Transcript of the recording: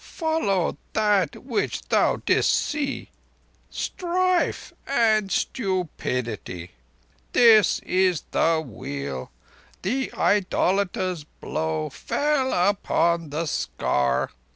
Followed that which thou didst see—strife and stupidity. Just is the Wheel! The idolater's blow fell upon the scar.